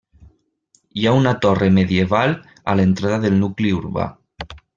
Hi ha una torre medieval a l'entrada del nucli urbà.